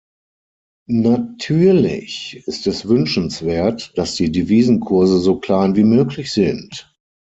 Natürlich ist es wünschenswert, dass die Devisenkurse so klein wie möglich sind.